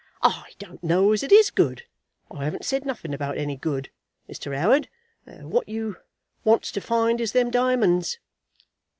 "I don't know as it is good. I 'aven't said nothing about any good, Mr. 'Oward. What you wants to find is them diamonds?"